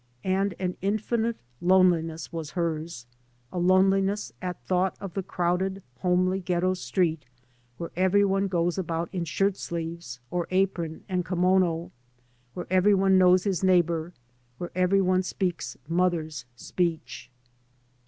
And an infinite loneliness was hers, a loneliness at thought of the crowded homely ghetto street, where every one goes about in shirt sleeves, or apron and kimono, where every one knows his neighbour, where every one speaks mother's speech.